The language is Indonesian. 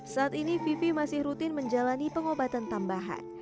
saat ini vivi masih rutin menjalani pengobatan tambahan